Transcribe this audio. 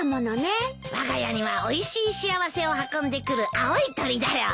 わが家にはおいしい幸せを運んでくる青い鳥だよ。